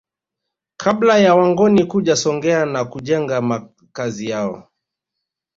Kabla ya Wangoni kuja Songea na kujenga Makazi yao